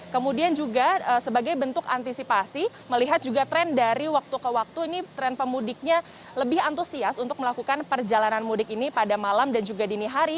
kemudian juga sebagai bentuk antisipasi melihat juga tren dari waktu ke waktu ini tren pemudiknya lebih antusias untuk melakukan perjalanan mudik ini pada malam dan juga dini hari